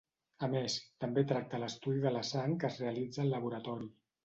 A més, també tracta l'estudi de la sang que es realitza al laboratori.